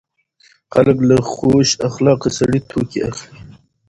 خلک له خوش اخلاقه سړي توکي اخلي.